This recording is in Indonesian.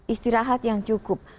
istirahat yang cukup